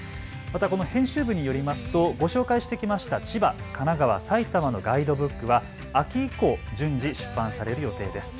編集部によりますとご紹介してきました千葉、神奈川、埼玉のガイドブックは秋以降、順次、出版される予定です。